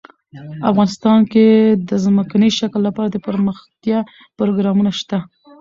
افغانستان کې د ځمکنی شکل لپاره دپرمختیا پروګرامونه شته.